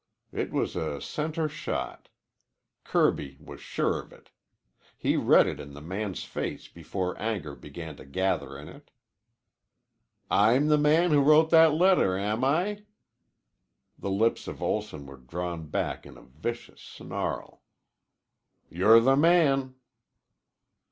It was a center shot. Kirby was sure of it. He read it in the man's face before anger began to gather in it. "I'm the man who wrote that letter, am I?" The lips of Olson were drawn back in a vicious snarl. "You're the man."